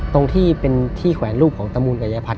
ตรงที่เป็นที่แขวนรูป